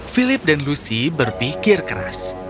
philip dan lucy berpikir keras